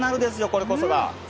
これこそが。